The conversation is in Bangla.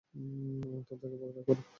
তাদেরকে পাকড়াও কর!